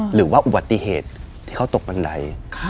หรือว่าอุบัติเหตุที่เขาตกบันได